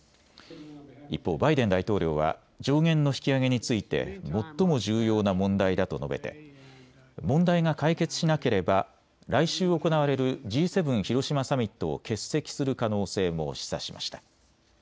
一方、バイデン大統領は上限の引き上げについて最も重要な問題だと述べて問題が解決しなければ来週行われるＧ７広島サミットを欠席する可能性も示唆しました。